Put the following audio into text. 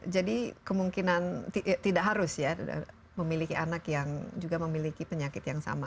jadi kemungkinan tidak harus ya memiliki anak yang juga memiliki penyakit yang sama